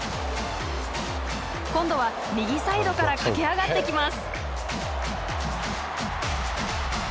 今度は右サイドから駆け上がってきます。